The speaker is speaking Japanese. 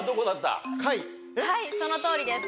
はいそのとおりです。